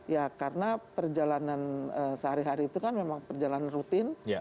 ya karena perjalanan sehari hari itu kan memang perjalanan rutin